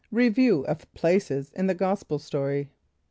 Review of Places in the Gospel Story.